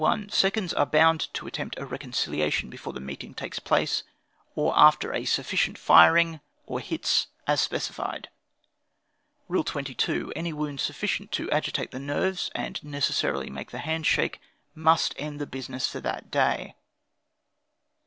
Seconds are bound to attempt a reconciliation before the meeting takes place, or after sufficient firing or hits, as specified. "Rule 22. Any wound sufficient to agitate the nerves and necessarily make the hands shake, must end the business for that day.